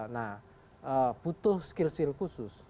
nah butuh skill skill khusus